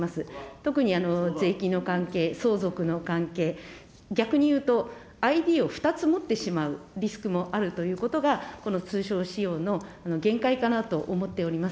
特に税金の関係、相続の関係、逆に言うと、ＩＤを２つ持ってしまうリスクもあるということが、この通称使用の限界かなと思っております。